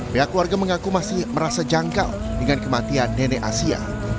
pihak keluarga mengaku masih merasa jangkau dengan kematian nenek asia